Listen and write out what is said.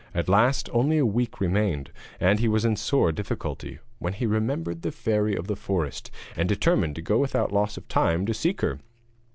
At last only a week remained, and he was in sore difficulty, when he remembered the Fairy of the forest, and determined to go without loss of time and seek her.